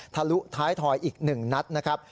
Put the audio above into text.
ทุท้ายทอยอีก๑นัดนะครับ